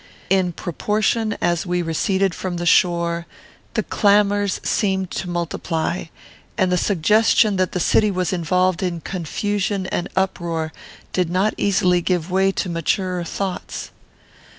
In proportion as we receded from the shore, the clamours seemed to multiply, and the suggestion that the city was involved in confusion and uproar did not easily give way to maturer thoughts.